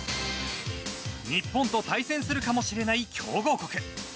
日本と対戦するかもしれない強豪国。